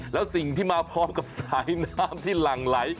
แล้วสิ่งที่มาพร้อมกับสายน้ำที่หลั่งไหล